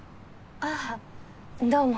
あぁどうも。